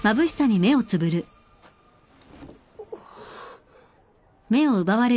あっ。